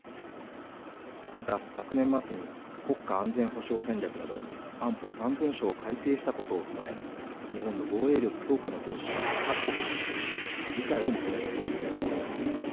また、昨年末に国家安全保障戦略など安保３文書を改定したことを踏まえ日本の防衛力強化の方針を各国に説明し理解を求める方針です。